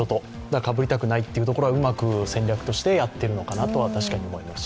だから、かぶりたくないというところはうまく戦略としてやっているのかなと思います。